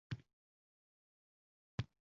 Yalavoch bo’lmoqlik navbati